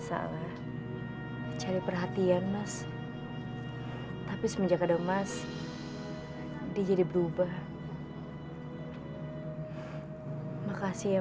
waktu saya dipukuli cuma kamu yang belain saya